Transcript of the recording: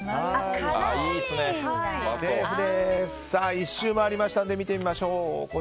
１周回りましたので見てみましょう。